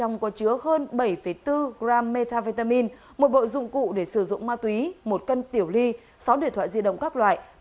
bảy bốn g metavitamin một bộ dụng cụ để sử dụng ma túy một cân tiểu ly sáu điện thoại di động các loại